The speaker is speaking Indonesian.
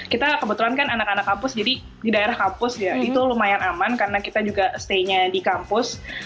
kita kebetulan kan anak anak kampus jadi di daerah kampus ya itu lumayan aman karena kita juga stay nya di kampus